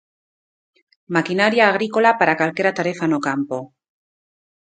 Maquinaria agrícola para calquera tarefa no campo.